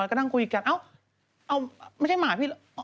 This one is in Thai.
แล้วก็นั่งคุยกันเอ้าไม่ใช่หมาพี่